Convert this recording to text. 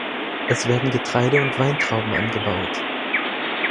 Es werden Getreide und Weintrauben angebaut.